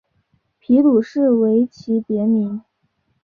皮鲁士为其别名。